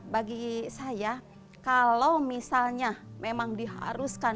bagi saya kalau misalnya memang diharuskan